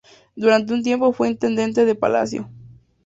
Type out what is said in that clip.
Durante un tiempo fue intendente de Palacio.